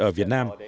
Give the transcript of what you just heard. ở việt nam